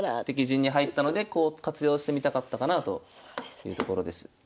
敵陣に入ったので活用してみたかったかなというところです。